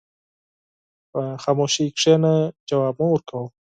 په خاموشۍ کښېنه، ځواب مه ورکوه.